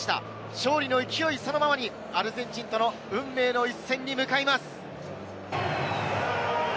勝利の勢いそのままに、アルゼンチンとの運命の一戦に向かいます。